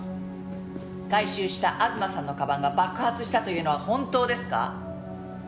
回収した東さんの鞄が爆発したというのは本当ですか？